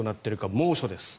猛暑です。